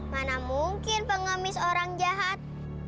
mana mungkin pengemis orang jahat